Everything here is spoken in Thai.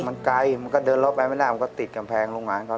มันไกลมันก็เดินลบไปไม่ได้มันก็ติดกำแพงโรงพยาบาลเขา